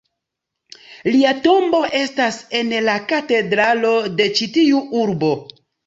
Lia tombo estas en la katedralo de ĉi tiu urbo.